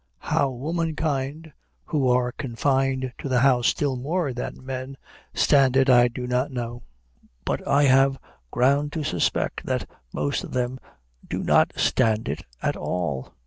How womankind, who are confined to the house still more than men, stand it I do not know; but I have ground to suspect that most of them do not stand it at all.